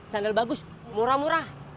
sandal bagus murah murah